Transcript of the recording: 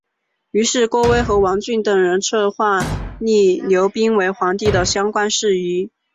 于是郭威和王峻等人策划立刘赟为皇帝的相关事宜。